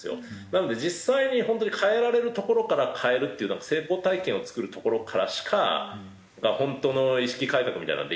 なので実際に本当に変えられるところから変えるっていう成功体験を作るところからしか本当の意識改革みたいなのはできないんじゃないかなと。